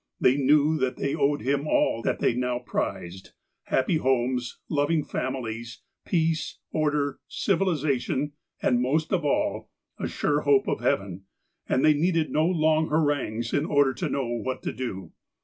They knew that they owed him all that they now prized — happy homes, loving families, peace, order, civilization, and, most of all, a sure hope of heaven, and they needed no long harangues in order to know what to do.